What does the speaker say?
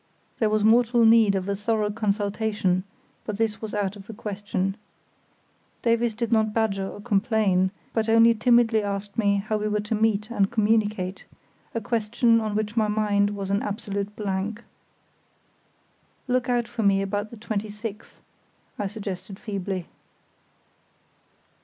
There was mortal need of a thorough consultation, but this was out of the question. Davies did not badger or complain, but only timidly asked me how we were to meet and communicate, a question on which my mind was an absolute blank. "Look out for me about the 26th," I suggested feebly.